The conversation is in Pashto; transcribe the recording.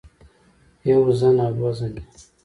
يوه زن او دوه زنې